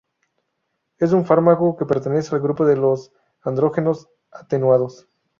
Es un fármaco que pertenece al grupo de los andrógenos atenuados.